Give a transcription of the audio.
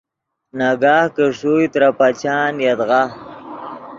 ناگاہ کہ ݰوئے ترے پچان یدغا